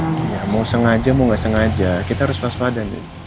ya mau sengaja mau nggak sengaja kita harus waspada